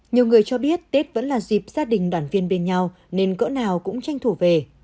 nhiều người cho biết tết vẫn là dịp gia đình đoàn viên bên nhau nên cỡ nào cũng tranh thủ về